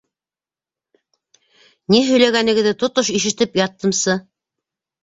—Ни һөйләгәнегеҙҙе тотош ишетеп яттымсы.